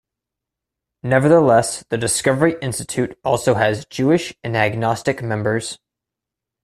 Nevertheless, the Discovery Institute also has Jewish and agnostic members.